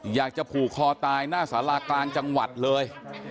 อยากจะผูกคอตายหน้าสารากลางจังหวัดเลย